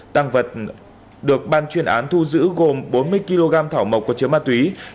tăng vật được ban chuyên án thu giữ gồm bốn mươi kg thảo mộc có chứa ma túy